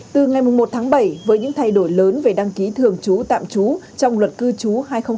từ ngày một tháng bảy với những thay đổi lớn về đăng ký thường trú tạm trú trong luật cư trú hai nghìn một mươi ba